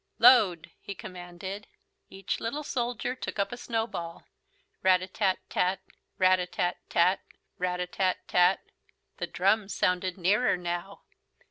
"Load!" he commanded. Each little soldier took up a snowball. Rat a tat tat. Rat a tat tat. Rat a tat tat. The drums sounded nearer now.